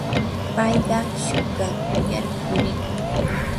payqa shuukakullar purikun.